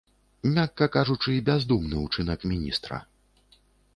Мякка кажучы, бяздумны ўчынак міністра.